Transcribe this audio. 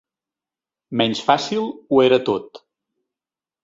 Menys fàcil, ho era tot.